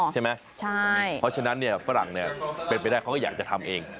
ใช่ไหมเพราะฉะนั้นเนี่ยฝรั่งเนี่ยเป็นไปได้เขาก็อยากจะทำเอง